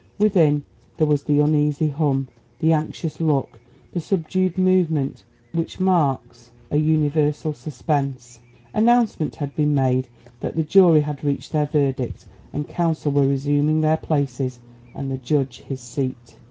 Within, there was the uneasy hum, the anxious look, the subdued movement which marks an universal suspense. Announcement had been made that the jury had reached their verdict, and counsel were resuming their places and the judge his seat.